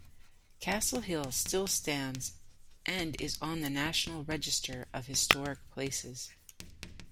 Castle Hill still stands and is on the National Register of Historic Places.